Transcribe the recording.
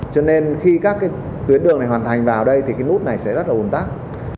cho nên khi các cái tuyến đường này hoàn thành vào đây thì cái nút này sẽ rất là ồn tắc